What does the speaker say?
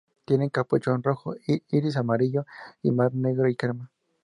Tiene capuchón rojo, iris amarillo y malar negro y crema.